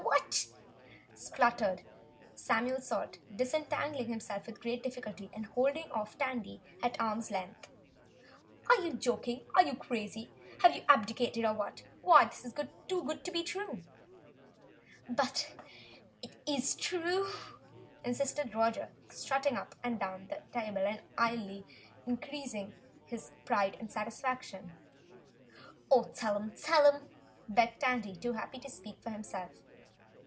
"What?" spluttered Samuel Salt, disentangling himself with great difficulty and holding Tandy off at arm's length. "Are you joking? Are you crazy? Have you abdicated or what? Why, this is too good to be true!" "But it is true!" insisted Roger, strutting up and down the table and illy concealing his pride and satisfaction. "Oh, tell him, tell him," begged Tandy, too happy to speak for himself.